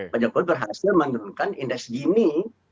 pak jokowi berhasil menurunkan indeks gini